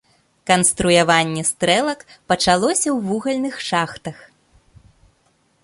Канструяванне стрэлак пачалося ў вугальных шахтах.